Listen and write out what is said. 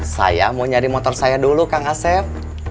saya mau nyari motor saya dulu kang asef